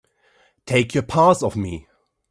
Take your paws off me!